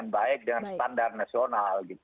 baik dengan standar nasional